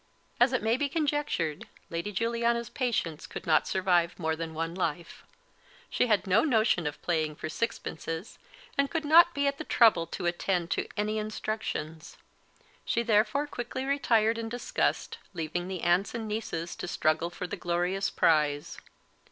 As may be conjectured, Lady Juliana's patience could not survive more than one life; she had no notion of playing for sixpences, and could not be at the trouble to attend to any instructions; she therefore quickly retired in disgust, leaving the aunts and nieces to struggle for the glorious prize.